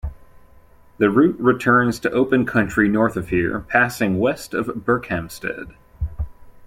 The route returns to open country north of here, passing west of Berkhamsted.